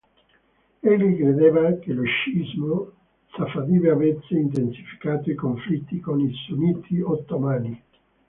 Egli credeva che lo sciismo safavide avesse intensificato i conflitti con i sunniti ottomani.